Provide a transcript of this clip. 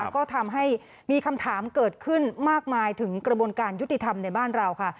ก็ทำให้มีคำถามเกิดขึ้นมากมายถึงกระบวนการยุติธรรมในบ้านเราค่ะ